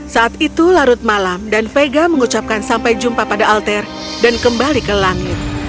saat itu larut malam dan vega mengucapkan sampai jumpa pada alter dan kembali ke langit